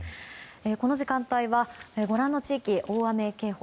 この時間帯はご覧の地域、大雨警報。